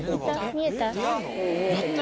見えた？